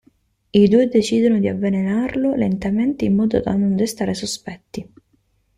I due decidono di avvelenarlo lentamente in modo da non destare sospetti.